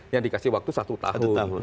yang dikasih waktu satu tahun